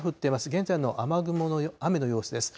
現在の雨雲の雨の様子です。